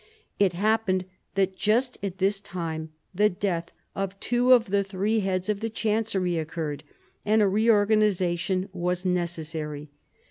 It happened that just at this time the death of two of the three heads of the Chancery occurred, and a reorganisation was necessary.